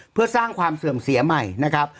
เพื่อสร้างความเสื่อมเสียใหม่นะครับ